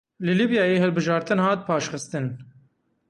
Li Lîbyayê hilbijartin hat paşxistin.